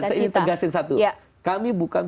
dan saya ingin tegaskan satu kami bukan